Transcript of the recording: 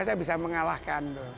saya bisa mengalahkan